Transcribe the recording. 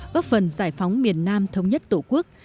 góp phần giải phóng miền nam thống nhất tổ quốc